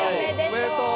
おめでとう！